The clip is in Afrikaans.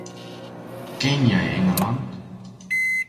Ken jy Engeland?